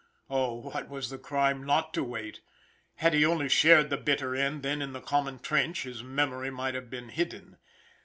Oh! what was the crime not to wait! Had he only shared the bitter end, then, in the common trench, his memory might have been hidden.